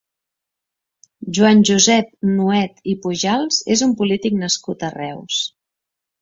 Joan Josep Nuet i Pujals és un polític nascut a Reus.